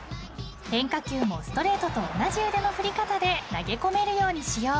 ［変化球もストレートと同じ腕の振り方で投げ込めるようにしよう］